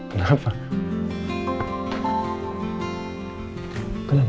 ketemu sama oya